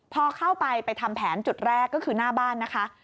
พอเข้าไปไปทำแผนจุดแรกก็คือหน้าบ้านนะคะ